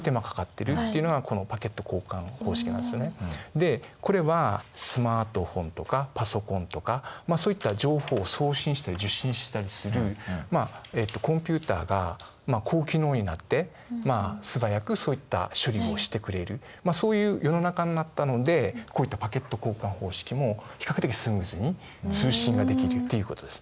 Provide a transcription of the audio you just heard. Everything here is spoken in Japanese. でこれはスマートフォンとかパソコンとかそういった情報を送信したり受信したりするコンピュータが高機能になって素早くそういった処理をしてくれるそういう世の中になったのでこういったパケット交換方式も比較的スムーズに通信ができるっていうことです。